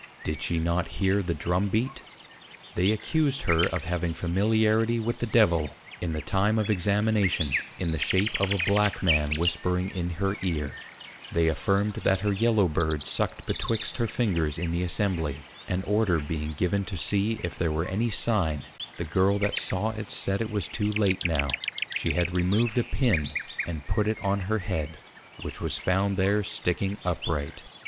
Did she not hear the Drum beat? They accused her of having Familiarity with the Devil, in the time of Examination, in the shape of a Black Man whispering in her Ear; they affirmed, that her Yellow Bird sucked betwixt her Fingers in the Assembly; and Order being given to see if there were any sign, the Girl that saw it, said, it was too late now; she had removed a Pin, and put it on her Head; which was found there sticking upright.